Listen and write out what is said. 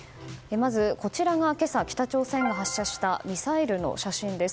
まず、こちらが今朝北朝鮮が発射したミサイルの写真です。